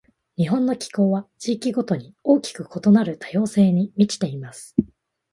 日本の気候は、地域ごとに大きく異なる多様性に満ちています。